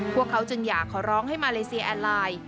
พวกเขาจึงอยากขอร้องให้มาเลเซียแอนไลน์